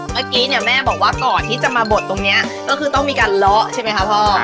เมื่อกี้เนี่ยแม่บอกว่าก่อนที่จะมาบดตรงนี้ก็คือต้องมีการเลาะใช่ไหมคะพ่อ